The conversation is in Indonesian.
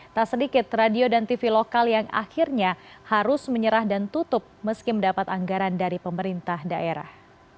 tak sedikit radio dan tv lokal yang akhirnya harus menyerah dan tutup meski mendapat anggaran dari pemerintah daerah